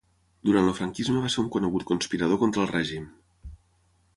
Durant el franquisme va ser un conegut conspirador contra el règim.